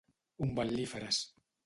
Umbel·líferes.